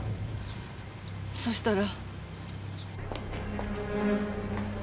そしたら。